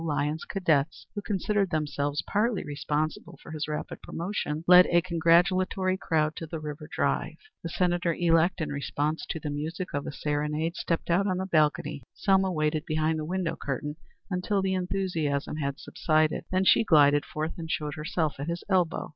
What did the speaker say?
Lyons Cadets, who considered themselves partly responsible for his rapid promotion, led a congratulatory crowd to the River Drive. The Senator elect, in response to the music of a serenade, stepped out on the balcony. Selma waited behind the window curtain until the enthusiasm had subsided; then she glided forth and showed herself at his elbow.